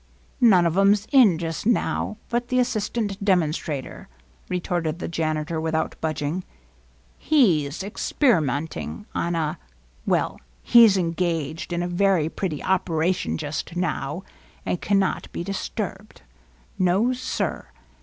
" None of 'em 's in just now but the assistant de monstrator," retorted the janitor, without budging. " He 's experimenting on a — well, he 's engaged in a very pretty operation just now, and cannot be disturbed. No, sir.